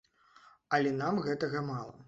Але нам гэтага мала.